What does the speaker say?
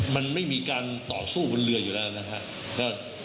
มันไม่มีการต่อสู้บนเรืออยู่แล้วนะครับ